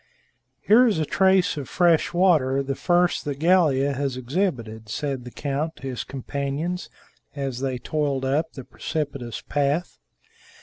"Here is a trace of fresh water, the first that Gallia has exhibited," said the count to his companions, as they toiled up the precipitous path.